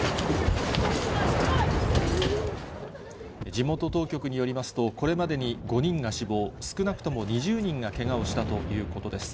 地元当局によりますと、これまでに５人が死亡、少なくとも２０人がけがをしたということです。